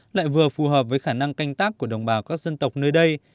lại vừa phù hợp với khả năng canh tác của đồng bào các dân tộc nơi đây